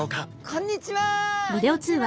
こんにちは！